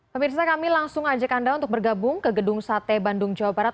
pemirsa kami langsung ajak anda untuk bergabung ke gedung sate bandung jawa barat